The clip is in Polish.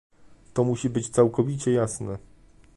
To musi być całkowicie jasne